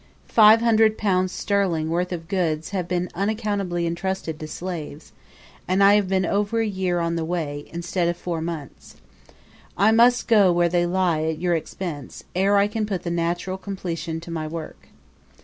Five hundred pounds sterling worth of goods have again unaccountably been entrusted to slaves, and have been over a year on the way, instead of four months. I must go where they lie at your expense, ere I can put the natural completion to my work.